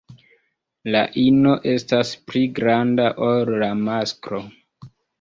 La ino estas pli granda ol la masklo.